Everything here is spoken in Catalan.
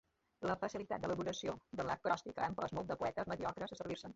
La facilitat d'elaboració de l'acròstic ha empès molts poetes mediocres a servir-se'n.